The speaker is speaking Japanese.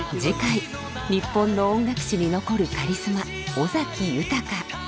次回日本の音楽史に残るカリスマ尾崎豊。